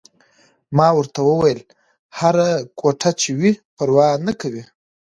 ما ورته وویل: هره کوټه چې وي، پروا نه کوي.